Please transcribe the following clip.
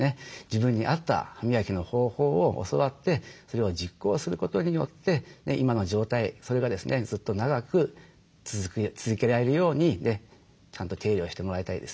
自分に合った歯磨きの方法を教わってそれを実行することによって今の状態それがですねずっと長く続けられるようにちゃんと手入れをしてもらいたいですね。